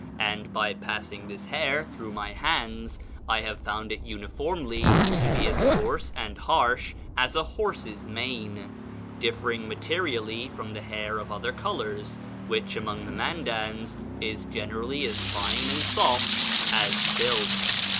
And by passing this hair through my hands I have found it uniformly to be as coarse and harsh as a horse's mane, differing materially from the hair of other colors, which, among the Mandans, is generally as fine and soft as silk.